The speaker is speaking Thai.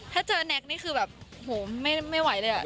ถ้าเจอแน็กนี่ไม่ไหวเลย